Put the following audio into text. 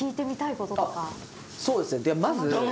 そうですね。